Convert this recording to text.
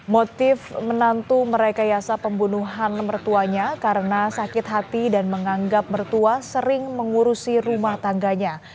motif menantu merekayasa pembunuhan mertuanya karena sakit hati dan menganggap mertua sering mengurusi rumah tangganya